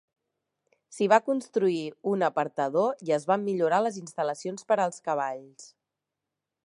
S'hi va construir un apartador i es van millorar les instal·lacions per als cavalls.